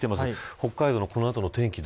北海道のこの後の天気